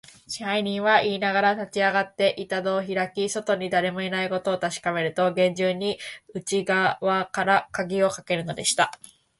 支配人はいいながら、立ちあがって、板戸をひらき、外にだれもいないことをたしかめると、げんじゅうに内がわからかぎをかけるのでした。